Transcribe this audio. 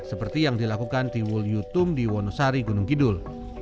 seperti yang dilakukan tiwul yutum di wonosari gunung kidul